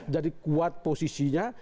jadi kuat posisinya